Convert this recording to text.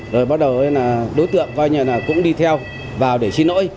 rồi bắt đầu đối tượng và anh em cũng đi theo vào để xin lỗi